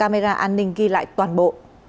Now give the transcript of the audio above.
an ninh ghi lại toàn bộ